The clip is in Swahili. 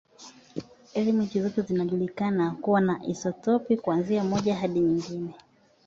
Elementi zote zinajulikana kuwa na isotopi, kuanzia moja hadi nyingi.